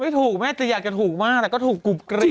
ไม่ถูกแม่จะอยากถูกมากแต่ก็ถูกกู๊บกริบ